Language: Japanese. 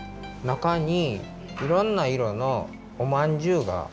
なかにいろんないろのおまんじゅうが。